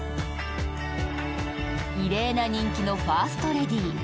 異例な人気のファーストレディー。